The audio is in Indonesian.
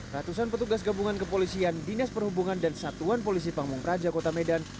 ratusan petugas gabungan kepolisian dinas perhubungan dan satuan polisi pamung praja kota medan